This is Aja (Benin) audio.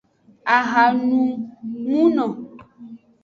Ahanumuno.